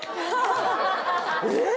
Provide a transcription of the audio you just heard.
えっ？